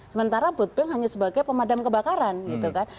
sementara bootbank hanya sebagai pemadam kebakaran gitu kan